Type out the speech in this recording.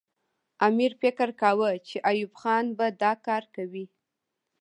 امیر فکر کاوه چې ایوب خان به دا کار کوي.